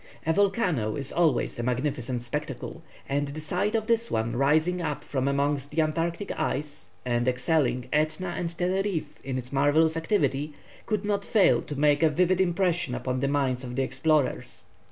A volcano is always a magnificent spectacle, and the sight of this one rising up from amongst the Antarctic ice, and excelling Etna and Teneriffe in its marvellous activity, could not fail to make a vivid impression upon the minds of the explorers.